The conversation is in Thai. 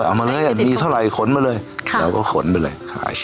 เอามาเลยดีเท่าไหร่ขนมาเลยเราก็ขนไปเลยขาย